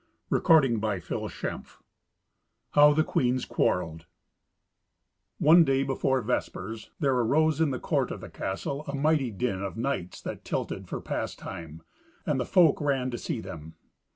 Fourteenth Adventure How the Queens Quarrelled One day, before vespers, there arose in the court of the castle a mighty din of knights that tilted for pastime, and the folk ran to see them.